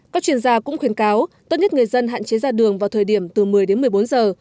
các chuyên gia cũng khuyến cáo tốt nhất người dân hạn chế ra đường vào thời điểm từ một mươi đến một mươi bốn giờ